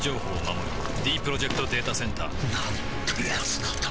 ディープロジェクト・データセンターなんてやつなんだ